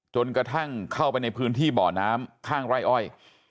จนกระทั่งเข้าไปในพื้นที่บ่อน้ำข้างไร่อ้อย